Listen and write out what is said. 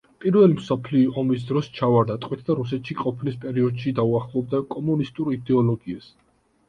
პირველი მსოფლიო ომის დროს ჩავარდა ტყვედ და რუსეთში ყოფნის პერიოდში დაუახლოვდა კომუნისტურ იდეოლოგიას.